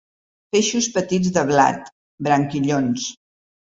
Feixos petits de blat, branquillons.